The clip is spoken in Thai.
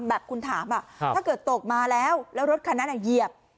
แบบคุณถามถ้าเกิดตกมาแล้วแล้วรถคันนั้นเหยียบ